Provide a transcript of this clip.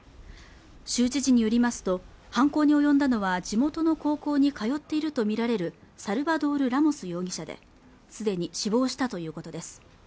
州知事によりますと犯行に及んだのは地元の高校にかよっていると見られるサルバドール・ラモス容疑者ですでに死亡したということです